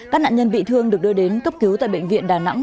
các nạn nhân bị thương được đưa đến cấp cứu tại bệnh viện đà nẵng